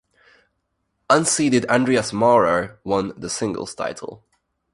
Unseeded Andreas Maurer won the singles title.